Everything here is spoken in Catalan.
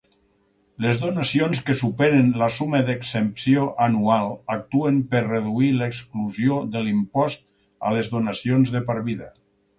Les donacions que superen la suma d'exempció anual actuen per reduir l'exclusió de l'impost a les donacions de per vida.